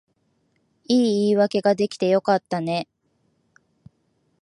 いい言い訳が出来てよかったね